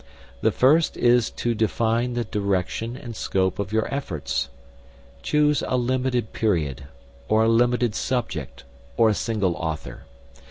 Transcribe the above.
The first is to define the direction and scope of your efforts. Choose a limited period, or a limited subject, or a single author.